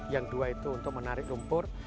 yang dua itu untuk menarik lumpur